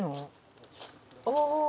「ああ」